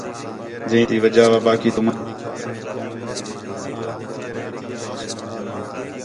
جئی تی وجہ وا باقی تُمن بھی کھیترانی قوم ک ہوتی ٻولی تی وجہ واسناݨ دی ہے